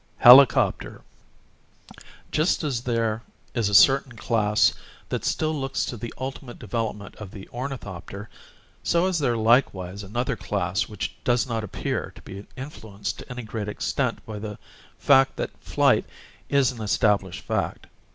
Helicopter. Just as there is a certain class that still looks to the ultimate development of the ornithopter, so is there likewise another class which does not appear to be influenced to any great extent by the fact that flight is an established fact.